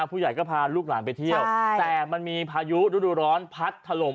ผู้ใหญ่ก็พาลูกหลานไปเที่ยวแต่มันมีพายุฤดูร้อนพัดถล่ม